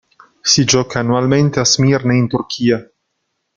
Si gioca annualmente a Smirne in Turchia.